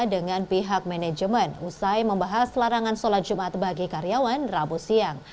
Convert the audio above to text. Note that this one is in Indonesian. dengan pihak manajemen usai membahas larangan sholat jumat bagi karyawan rabu siang